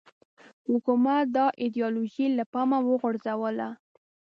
حکومت دا ایدیالوژي له پامه وغورځوله